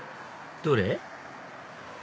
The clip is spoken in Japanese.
どれ？